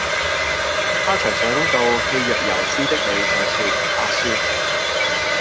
她才想到氣若游絲的你在說「阿孫」！